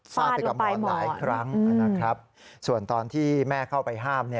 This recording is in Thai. ฟาดลงไปหมอนนะครับส่วนตอนที่แม่เข้าไปห้าม